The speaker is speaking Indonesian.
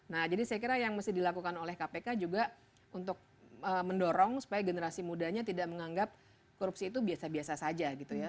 nah jadi saya kira yang mesti dilakukan oleh kpk juga untuk mendorong supaya generasi mudanya tidak menganggap korupsi itu biasa biasa saja gitu ya